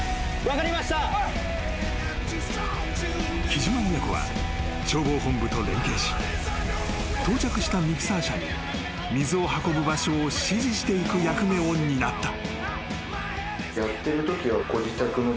［木島親子は消防本部と連携し到着したミキサー車に水を運ぶ場所を指示していく役目を担った］